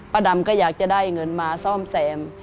ดำก็อยากจะได้เงินมาซ่อมแซม